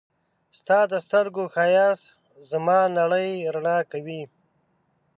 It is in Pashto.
ستا د سترګو ښایست زما نړۍ رڼا کوي.